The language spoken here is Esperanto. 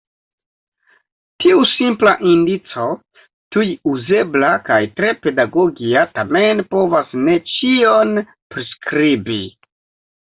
Tiu simpla indico, tuj uzebla kaj tre pedagogia tamen povas ne ĉion priskribi.